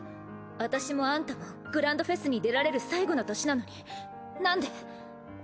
私もアンタもグランドフェスに出られる最後の年なのになんで？